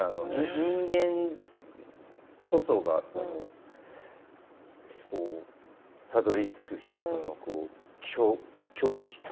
人間こそがこうたどりつく一つの狂気というか。